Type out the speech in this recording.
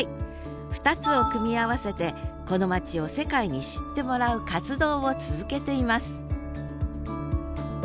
２つを組み合わせてこの町を世界に知ってもらう活動を続けています